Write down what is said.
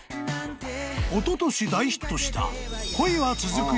［おととし大ヒットした］